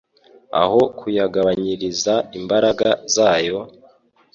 Aho kuyagabariyiriza imbaraga zayo,